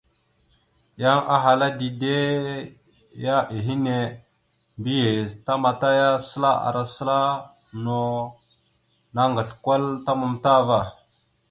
Yan ahala dide ya ehene, mbiyez tamataya səla ara səla, no naŋgasl kwal ta matam ava.